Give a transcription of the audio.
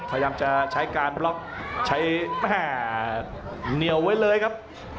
พยายามจะใช้การบล็อกใช้แม่เหนียวไว้เลยครับ